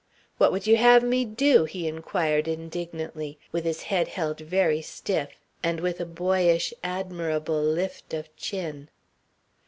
"What would you have me do?" he inquired indignantly, with his head held very stiff, and with a boyish, admirable lift of chin.